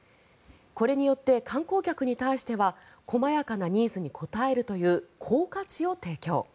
これによって観光客に対しては細やかなニーズに答えるという高価値を提供。